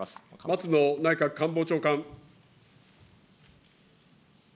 松野内閣官房長官。